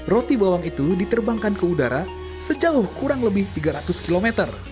roti bawang itu diterbangkan ke udara sejauh kurang lebih tiga ratus km